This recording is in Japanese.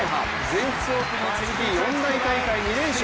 全仏オープンに続き四大大会２連勝。